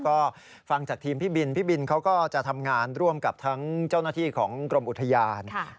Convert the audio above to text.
ก็ฟังจากทีมพี่บินพี่บินเขาก็จะทำงานร่วมกับทั้งเจ้าหน้าที่ของกรมอุทยาน